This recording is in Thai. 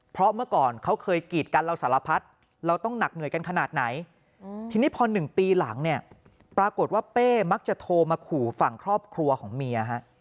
เพราะเมื่อก่อนเขาเคยกีดกันเราสารพัดเราต้องหนักเหนื่อยกันขนาดไหนทีนี้พอ๑ปีหลังเนี่ยปรากฏว่าเป้มักจะโทรมาขู่ฝั่งครอบครัวของเมียฮะ